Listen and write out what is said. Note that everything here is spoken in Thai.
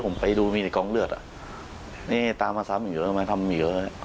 ผมไปดูมีในกล้องเลือดนี่ตามมาซ้ำอีกแล้วมาทำอีกแล้ว